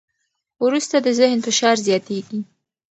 وروسته د ذهن فشار زیاتېږي.